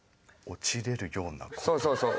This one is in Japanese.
そうそうそう。